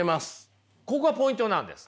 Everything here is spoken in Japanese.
ここがポイントなんです。